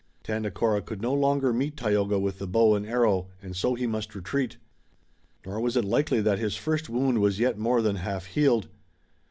Tandakora could no longer meet Tayoga with the bow and arrow and so he must retreat. Nor was it likely that his first wound was yet more than half healed.